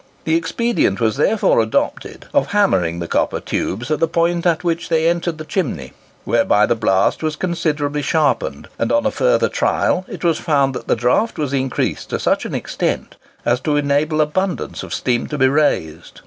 The expedient was therefore adopted of hammering the copper tubes at the point at which they entered the chimney, whereby the blast was considerably sharpened; and on a further trial it was found that the draught was increased to such an extent as to enable abundance of steam to be raised.